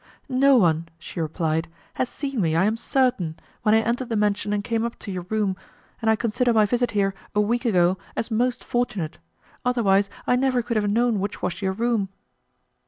"No one," she replied, "has seen me, I am certain, when I entered the mansion and came up to your room, and I consider my visit here a week ago as most fortunate; otherwise, I never could have known which was your room."